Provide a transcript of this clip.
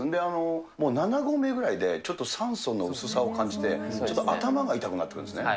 もう７合目ぐらいで、ちょっと酸素の薄さを感じて、ちょっと頭が痛くなってくるんですね。